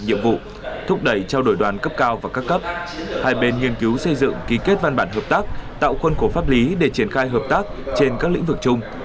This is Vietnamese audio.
nhiệm vụ thúc đẩy trao đổi đoàn cấp cao và các cấp hai bên nghiên cứu xây dựng ký kết văn bản hợp tác tạo khuôn khổ pháp lý để triển khai hợp tác trên các lĩnh vực chung